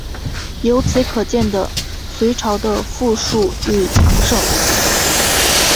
由此可见的隋朝的富庶与强盛。